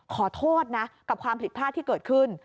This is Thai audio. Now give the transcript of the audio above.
ขอโทษนะกับความผิดพลาดที่เกิดขึ้น